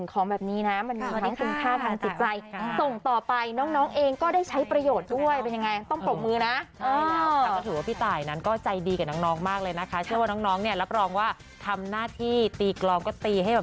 ของแบบนี้นะมันมีความสุขค่าความติดใจ